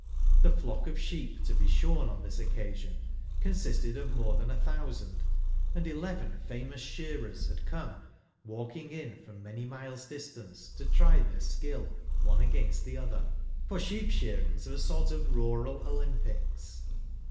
The flock of sheep to be shorn on this occasion consisted of more than a thousand, and eleven fiimous sheai'ers had come, walking in from many miles' distance to try their skill one against the other ; for sheep shearings are a sort of rural Olympics.